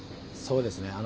そうですね。